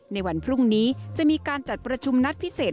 ในวันพรุ่งนี้จะมีการจัดประชุมนัดพิเศษ